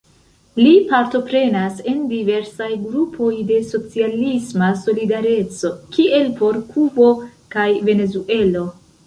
Li partoprenas en diversaj grupoj de "socialisma solidareco", kiel por Kubo kaj Venezuelo.